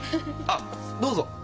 あっどうぞ！